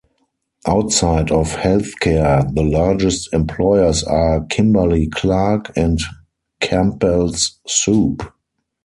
Outside of healthcare, the largest employers are Kimberly-Clark, and Campbell's Soup.